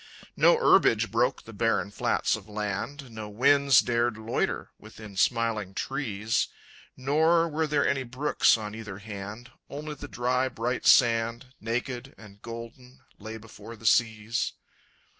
No herbage broke the barren flats of land, No winds dared loiter within smiling trees, Nor were there any brooks on either hand, Only the dry, bright sand, Naked and golden, lay before the seas.